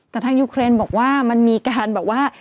แต่ทางยุครีย์บอกว่ามันมีการบอกว่า